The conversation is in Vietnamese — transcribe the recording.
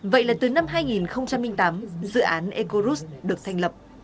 vậy là từ năm hai nghìn tám dự án ecorus được thành lập